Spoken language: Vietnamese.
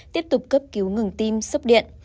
tiếp tục cấp cứu ngừng tim sốc điện